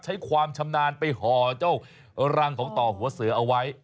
ใช้ความชำนาญไปห่อเจ้ารังของต่อหัวเสือเอาไว้